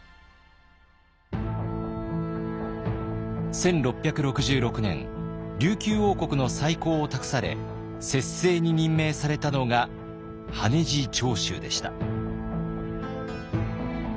１６６６年琉球王国の再興を託され摂政に任命されたのが羽地朝秀でした。